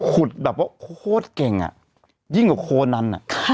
ขุดแบบว่าโคตรเก่งยิ่งกับโคนนั้น